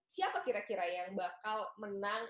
siapa kira kira yang bakal menang